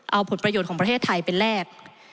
เอาผลประโยชน์ของประเทศไทยไปแลก